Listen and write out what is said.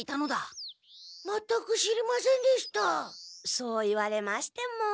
そう言われましても。